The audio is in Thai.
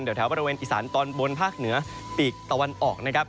อยู่แถวบริเวณอิสานตอนบนภาคเหนือปีกตะวันออก